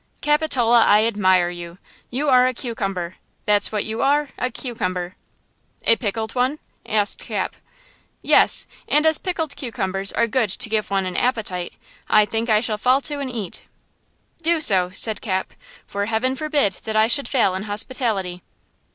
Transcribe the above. "Capitola, I admire you! You are a cucumber! That's what you are, a cucumber!" "A pickled one?" asked Cap. "Yes, and as pickled cucumbers are good to give one an appetite, I think I shall fall to and eat." "Do so," said Cap, "for heaven forbid that I should fail in hospitality!"